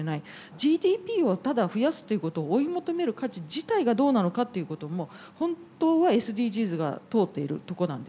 ＧＤＰをただ増やすっていうことを追い求める価値自体がどうなのかっていうことも本当はＳＤＧｓが問うているとこなんですね。